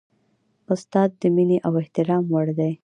استاد د مینې او احترام وړ دی.